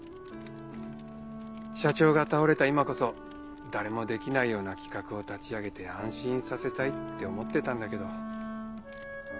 社長が倒れた今こそ誰もできないような企画を立ち上げて安心させたいって思ってたんだけど。